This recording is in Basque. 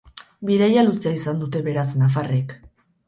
Bidaia luzea izan dute, beraz, nafarrek.